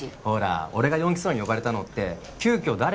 ほら俺が４機捜に呼ばれたのって急きょ